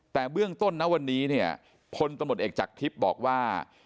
แต่เบื้องต้นนะวันนี้เนี่ยพลตำรวจเอกจากทิพย์บอกว่า